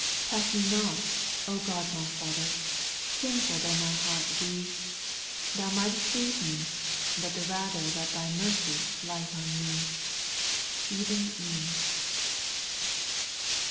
2. Pass mc not, God my Father, Sinful though my heart may be ; Thou might'flt leave me, but the rather Let Thy mercy light on me, — Even rne.